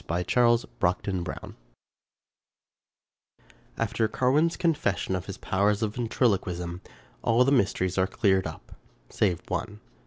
286 Charles Brockden Brown THIRD PART After Carwin's confession of his powers of ventriloquism all the mysteries are cleared up — save one.